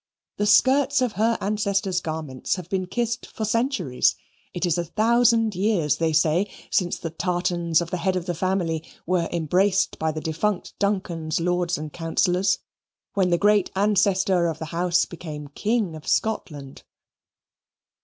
The skirts of her ancestors' garments have been kissed for centuries; it is a thousand years, they say, since the tartans of the head of the family were embraced by the defunct Duncan's lords and councillors, when the great ancestor of the House became King of Scotland.